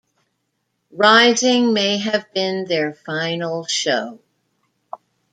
Rising may have been their final show.